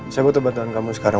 saya butuh bantuan kamu sekarang